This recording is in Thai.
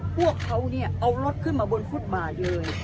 พวกเขาเนี่ยเอารถขึ้นมาบนฟุตบาทเลย